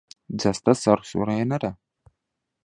جەستەت سەرسوڕهێنەرە.